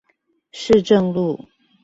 市政路